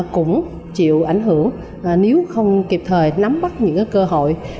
cũng chịu ảnh hưởng nếu không kịp thời nắm bắt những cơ hội